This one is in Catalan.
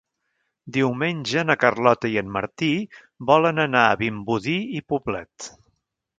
Diumenge na Carlota i en Martí volen anar a Vimbodí i Poblet.